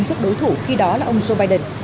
trước đối thủ khi đó là ông joe biden